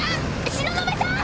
東雲さん！